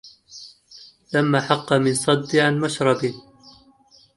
لما حق من صد عن مشرب